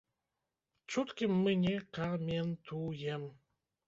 Чуткі мы не ка-мен-ту-ем.